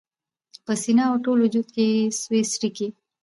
په سینه او ټول وجود کي یې سوې څړیکي